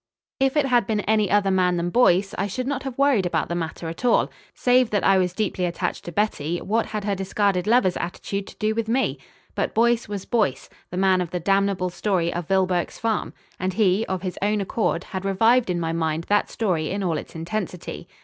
If it had been any other man than Boyce, I should not have worried about the matter at all. Save that I was deeply attached to Betty, what had her discarded lover's attitude to do with me? But Boyce was Boyce, the man of the damnable story of Vilboek's Farm. And he, of his own accord, had revived in my mind that story in all its intensity.